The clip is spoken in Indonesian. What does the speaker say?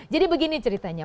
jadi begini ceritanya